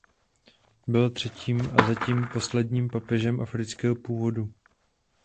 Byl třetím a zatím posledním papežem afrického původu.